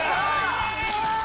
すごい。